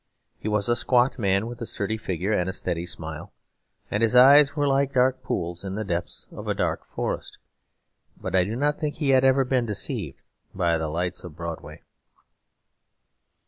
He was a squat man, with a sturdy figure and a steady smile; and his eyes were like dark pools in the depth of a darker forest, but I do not think he had ever been deceived by the lights of Broadway.